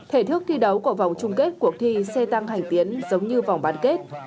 thể thức thi đấu của vòng chung kết cuộc thi xe tăng hành tiến giống như vòng bán kết